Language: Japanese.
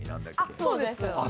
そうです。